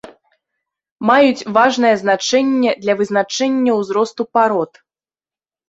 Маюць важнае значэнне для вызначэння ўзросту парод.